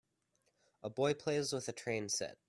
a boy plays with a train set.